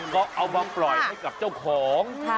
ก็เอามาปล่อยให้กับเจ้าของ